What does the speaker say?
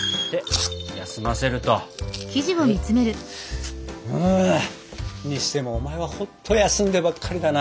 休ませると。にしてもお前はほんとに休んでばっかりだな。